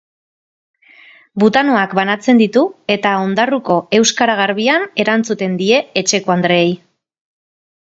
Butanoak banatzen ditu eta ondarruko euskara garbian erantzuten die etxekoandreei.